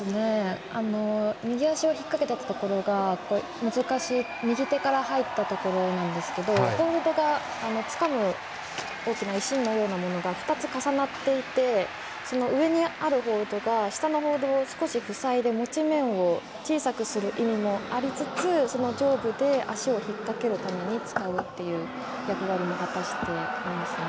右足を引っ掛けていくところが難しい右手から入ったところなんですが、つかむホールドが、石のようなものが２つ重なっていて上にあるホールドが下にあるホールドを少し塞いで持ち面を小さくする意味もありつつ上部で足を引っ掛けるための役割も果たしていますね。